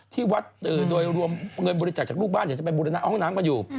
ที่วัดโดยรวมเงินบริจาคจากลูกบ้านอยากจะไปบูรณะห้องน้ำกันอยู่